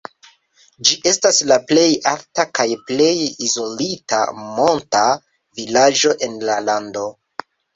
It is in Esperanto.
Ĝi estas la plej alta kaj plej izolita monta vilaĝo en la lando.